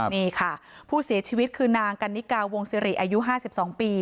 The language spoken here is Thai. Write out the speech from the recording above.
นี่ค่ะผู้เสียชีวิตคือนางกันนิกาววงสิริอายุห้าสิบสองปี